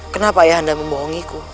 kenapa ayah anda membohongiku